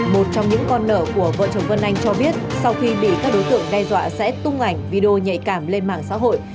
một trong những con nợ của vợ chồng vân anh cho biết sau khi bị các đối tượng đe dọa sẽ tung ảnh video nhạy cảm lên mạng xã hội